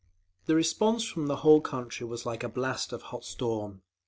The response from the whole country was like a blast of hot storm.